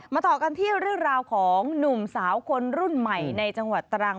ต่อกันที่เรื่องราวของหนุ่มสาวคนรุ่นใหม่ในจังหวัดตรัง